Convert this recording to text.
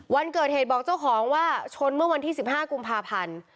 วันเกิดเหตุบอกเจ้าของว่าชนเมื่อวันที่๑๕กุมภาพันธ์